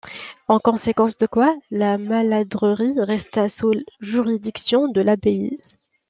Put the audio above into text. En conséquence de quoi la maladrerie resta sous juridiction de l'abbaye.